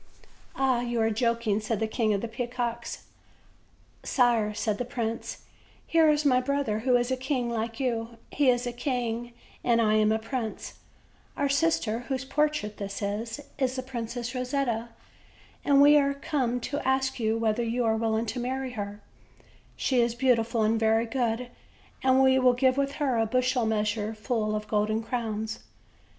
"Ahl you are joking/' said the King of the Peacocks. "Sire," said the prince, "here is my brother wlo is a king like you: he is a king and lam a prince; our sister, whose portrait this is, is the Princess Rosetta, and we are come to ask you whether you are willing to marry her; she is beautiful and very good, and we will give with her a bushel measure full of golden crowns."